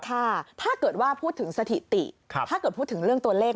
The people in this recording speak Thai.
ถ้าเกิดว่าพูดถึงสถิติถ้าเกิดพูดถึงเรื่องตัวเลข